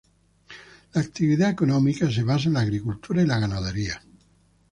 La actividad económica se basa en la agricultura y la ganadería.